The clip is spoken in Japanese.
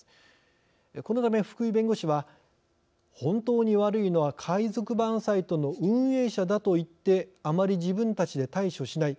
このため福井弁護士は「本当に悪いのは海賊版サイトの運営者だと言ってあまり自分たちで対処しない。